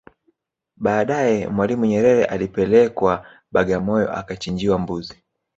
Baadae Mwalimu Nyerere alipelekwa Bagamoyo akachinjwa mbuzi